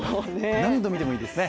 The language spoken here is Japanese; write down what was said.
何度見てもいいですね。